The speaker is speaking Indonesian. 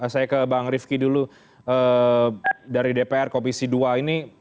saya ke bang rifki dulu dari dpr komisi dua ini